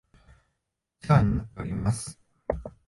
お世話になっております